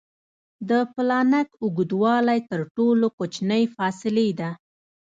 د پلانک اوږدوالی تر ټولو کوچنۍ فاصلې ده.